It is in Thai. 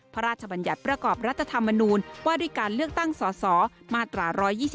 พระราชบัญญัติประกอบรัฐธรรมนูญว่าด้วยการเลือกตั้งสสมาตรา๑๒๐